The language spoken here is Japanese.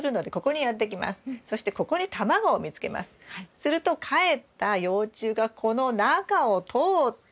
するとかえった幼虫がこの中を通って。